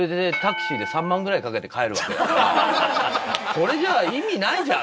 これじゃ意味ないじゃん。